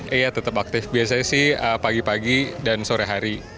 iya tetap aktif biasanya sih pagi pagi dan sore hari